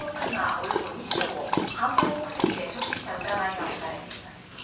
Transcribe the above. およそ２ｋｇを販売目的で所持した疑いが持たれています。